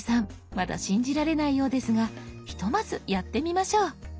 まだ信じられないようですがひとまずやってみましょう。